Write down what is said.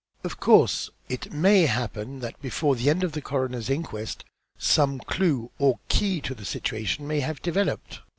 Of course it may happen that before the end of the coroner's inquest some clue or key to the situation may have developed.